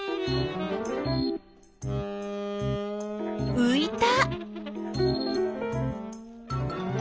ういた！